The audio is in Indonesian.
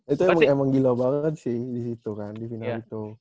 itu emang gila banget sih di situ kan di final itu